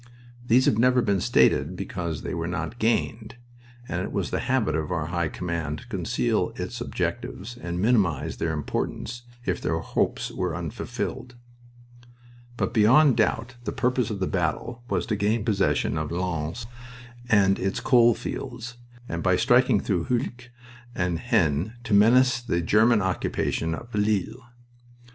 These have never been stated because they were not gained (and it was the habit of our High Command to conceal its objectives and minimize their importance if their hopes were unfulfilled), but beyond doubt the purpose of the battle was to gain possession of Lens and its coal fields, and by striking through Hulluch and Haisnes to menace the German occupation of Lille.